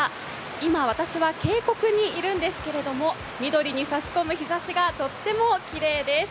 今、私は渓谷にいるんですけど、緑に差し込む日ざしがとってもきれいです。